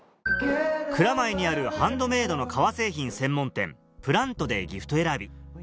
蔵前にあるハンドメードの革製品専門店「ＰＬＡＮＴ」でギフト選び